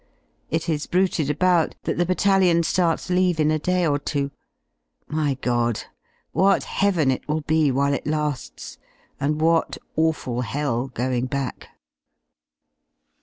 It is bruited about that the Battalion ^arts leave in a day or two. My God ! what heaven it will be while it la^s, and what awful hell going back